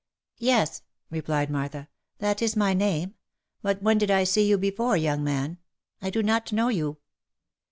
" Yes," replied Martha, " that is my name, but when did I see you before, young man ? I do not know you."